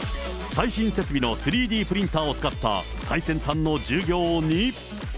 最新設備の３Ｄプリンターを使った最先端の授業に。